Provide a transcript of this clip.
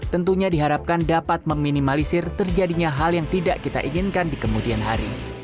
tentunya diharapkan dapat meminimalisir terjadinya hal yang tidak kita inginkan di kemudian hari